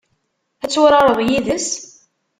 Ad turareḍ yid-s?